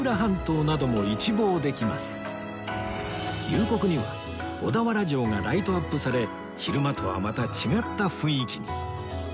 夕刻には小田原城がライトアップされ昼間とはまた違った雰囲気に